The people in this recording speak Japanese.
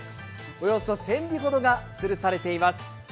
およそ１０００尾ほどがつるされています。